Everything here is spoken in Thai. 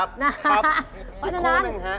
บ๊วยค่ะ